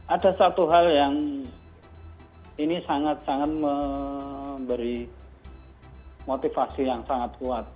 ada satu hal yang ini sangat sangat memberi motivasi yang sangat kuat